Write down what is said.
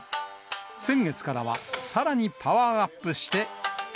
先月からは、さらにパワーアップして。